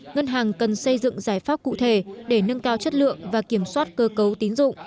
ngân hàng cần xây dựng giải pháp cụ thể để nâng cao chất lượng và kiểm soát cơ cấu tín dụng